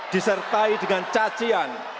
disertai dengan cacian